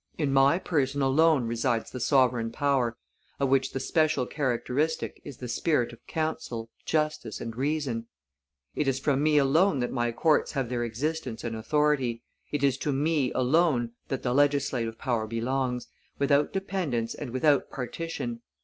In my person alone resides the sovereign power, of which the special characteristic is the spirit of counsel, justice, and reason; it is from me alone that my courts have their existence and authority. It is to me alone that the legislative power belongs, without dependence and without partition.